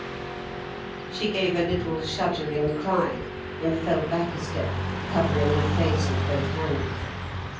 She gave a little shuddering cry and fell back a step, covering her face with both hands.